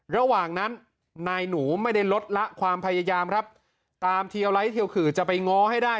ระหว่างนั้นนายหนูไม่ได้ลดละความพยายามครับตามเทียวไลท์เทียวขื่อจะไปง้อให้ได้